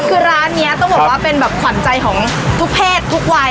คือร้านเนี่ยต้องบอกว่าเป็นขวั่นใจของทุกเภททุกวัย